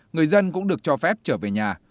người dân cũng được cho phép trở về nhà